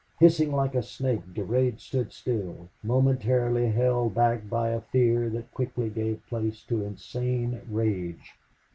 Hissing like a snake, Durade stood still, momentarily held back by a fear that quickly gave place to insane rage.